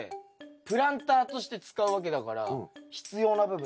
プランターとして使うわけだから必要な部分。